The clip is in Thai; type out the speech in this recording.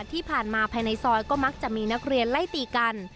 ภายในซอยก็มักจะมีนักเรียนไล่ตีกัน